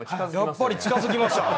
やっぱり近づきました